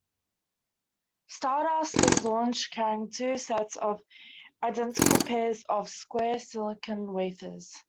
"Stardust" was launched carrying two sets of identical pairs of square silicon wafers.